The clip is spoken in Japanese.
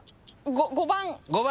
５番。